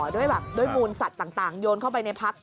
ด้วยแบบด้วยมูลสัตว์ต่างโยนเข้าไปในพัก